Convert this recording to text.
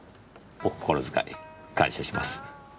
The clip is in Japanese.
お心遣い感謝します。